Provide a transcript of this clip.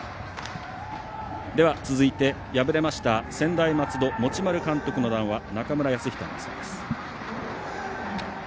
では、続いて敗れました専大松戸持丸監督の談話中村泰人アナウンサーです。